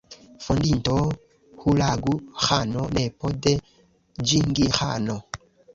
Fondinto Hulagu-Ĥano, nepo de Ĝingis-Ĥano.